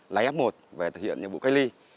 lái f một về thực hiện nhiệm vụ cách ly